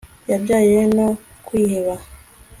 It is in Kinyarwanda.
yabyawe no kwiheba